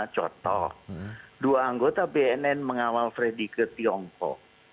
contoh dua anggota bnn mengawal freddy ke tiongkok